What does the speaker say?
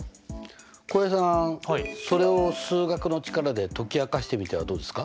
浩平さんそれを数学の力で解き明かしてみてはどうですか？